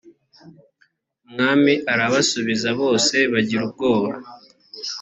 umwami arabasubiza bose bagira ubwoba.